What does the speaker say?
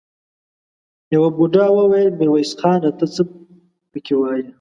يوه بوډا وويل: ميرويس خانه! ته څه پکې وايې؟